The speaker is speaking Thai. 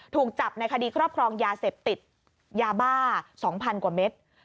ถูกจับในคดีครอบครองยาเสพติดยาบ้า๒๐๐๐กว่าเม็ด